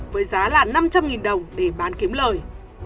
với giá là năm trăm linh đồng để bán kiếm lời